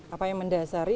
apa yang mendasari